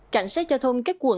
cảnh sát giao thông các quận